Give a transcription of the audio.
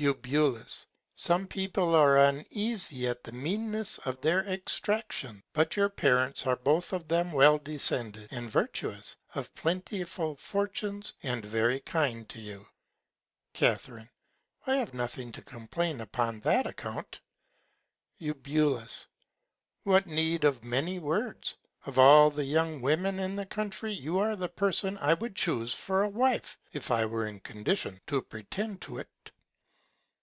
Eu. Some People are uneasy at the Meanness of their Extraction, but your Parents are both of them well descended, and virtuous, of plentiful Fortunes, and very kind to you. Ca. I have nothing to complain of upon that Account. Eu. What Need of many Words? Of all the young Women in the Country you are the Person I would chuse for a Wife, if I were in Condition to pretend to't.